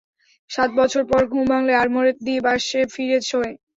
সাত বছর পর ঘুম ভাঙ্গলে আড়মোড়া দিয়ে পাশ ফিরে শোয়।